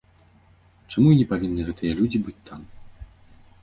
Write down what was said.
Чаму і не павінны гэтыя людзі быць там?